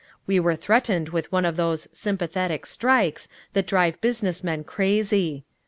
We were threatened with one of those "sympathetic" strikes that drive business men crazy.